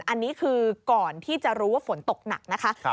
อันนี้คือก่อนที่จะรู้ว่าฝนตกหนักนะคะ